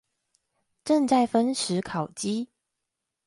正在分食烤雞